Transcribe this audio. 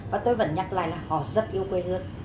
và tôi vẫn nhắc lại là họ rất yêu quê hương